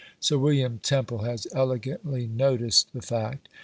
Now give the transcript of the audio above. Sir William Temple has elegantly noticed the fact.